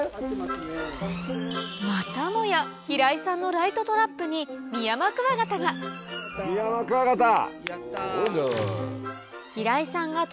またもや平井さんのライトトラップにミヤマクワガタがミヤマクワガタ！